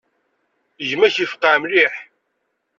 Gma-k yefqeε mliḥ.